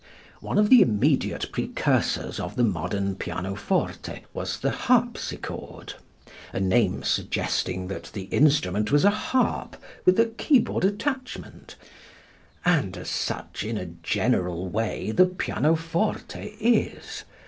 One of the immediate precursors of the modern pianoforte was the harpsichord, a name suggesting that the instrument was a harp with a keyboard attachment, and such, in a general way, the pianoforte is.